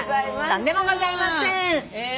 とんでもございません。